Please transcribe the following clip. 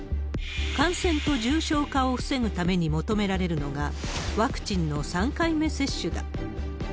感染と重症化を防ぐために求められるのが、ワクチンの３回目接種だ。